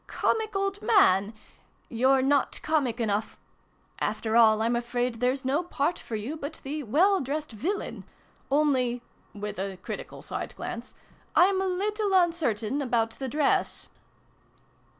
' Comic Old Man '? You're not comic enough. After all, I'm afraid there's no part for you but the ' Well dressed Villain : only," with a critical side glance, "I'm a leetle uncertain about the dress